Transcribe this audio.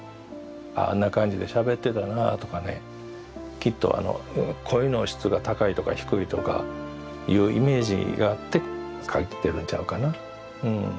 あんな感じでしゃべってたなとかねきっと声の質が高いとか低いとかいうイメージがあって描いてるんちゃうかなうん。